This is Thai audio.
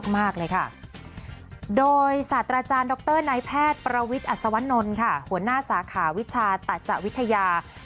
ไม่ต้องเพิ่งเหยา